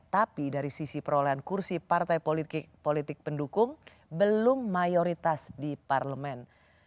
tapi dari sisi perolehan kursi partai politik pendukung belum mayoritas di parlemen